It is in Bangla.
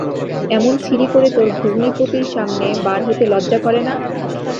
এমন ছিরি করে তোর ভগ্নীপতির সামনে বার হতে লজ্জা করে না?